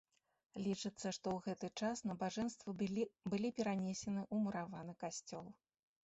Лічыцца, што ў гэты час набажэнствы былі перанесены ў мураваны касцёл.